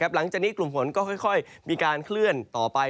หลังจากนี้กลุ่มฝนก็ค่อยมีการเคลื่อนต่อไป